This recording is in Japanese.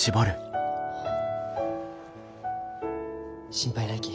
心配ないき。